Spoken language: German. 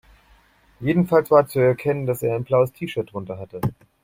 Jedenfalls war zu erkennen, dass er ein blaues T-Shirt drunter hatte.